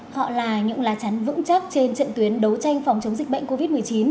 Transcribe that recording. họ là những lá chắn vững chắc trên trận tuyến đấu tranh phòng chống dịch bệnh covid một mươi chín